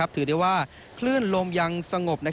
ถือได้ว่าคลื่นลมยังสงบ